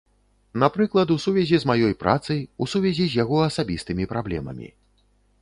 Напрыклад, у сувязі з маёй працай, у сувязі з яго асабістымі праблемамі.